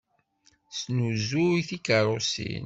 Tesnuzuy tikeṛṛusin.